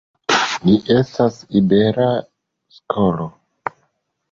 Ni estas Ibera Skolo.